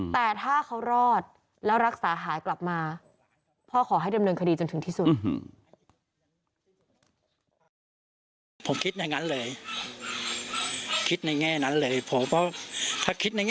แต่ถ้าเขารอดแล้วรักษาหายกลับมาพ่อขอให้ดำเนินคดีจนถึงที่สุด